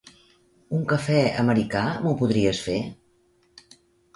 Un cafè americà, m'ho podries fer?